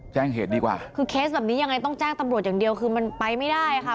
แจ้งเหตุดีกว่าคือเคสแบบนี้ยังไงต้องแจ้งตำรวจอย่างเดียวคือมันไปไม่ได้ค่ะ